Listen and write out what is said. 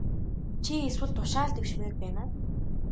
Чи эсвэл тушаал дэвшмээр байна уу?